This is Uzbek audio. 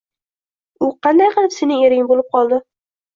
U qanday qilib sening ering bo`lib qoldi